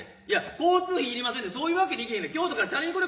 いや交通費いりませんってそういうわけにいけへんねん。